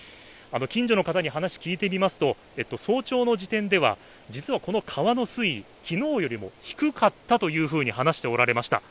近所の方に話を聞いてみますと早朝の時点では実は川の水位昨日よりも低かったと話しておられました。